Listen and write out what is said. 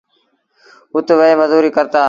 اُت وهي مزوريٚ ڪرتآ۔